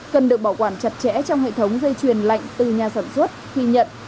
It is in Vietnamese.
cần được bảo quản chặt chẽ trong hệ thống dây truyền lạnh từ nhà sản xuất khi nhận